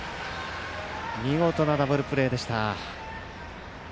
見事なダブルプレーでした。